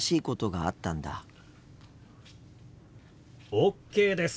ＯＫです。